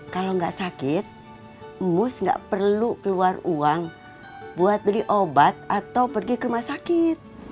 kalau nggak sakit mus nggak perlu keluar uang buat beli obat atau pergi ke rumah sakit